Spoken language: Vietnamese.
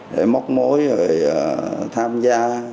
để móc mối tham gia